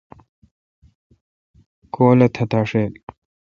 کول اہ۔ تتاشیل